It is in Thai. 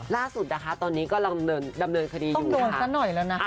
ล่าสุดตอนนี้ก็ดำเนินคดีอยู่นะคะ